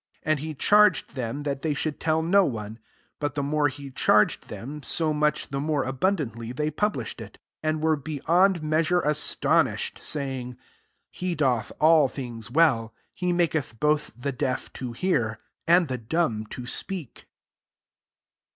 36 And he charged them that they should tell no one : but the more he charged them, so much the more abundantly they published it ; 37 and were beyond measure astonished, say ing, " He doth all things well ; he maketh both the deaf to hear, and the dumb to speak."